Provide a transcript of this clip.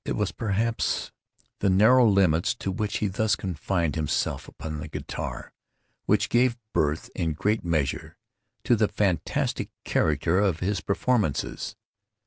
It was, perhaps, the narrow limits to which he thus confined himself upon the guitar, which gave birth, in great measure, to the fantastic character of his performances.